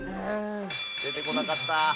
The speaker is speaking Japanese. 出てこなかった！